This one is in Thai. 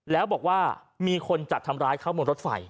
แล้วบอกว่ามีคนจัดทำร้ายเขาบนรถไฟ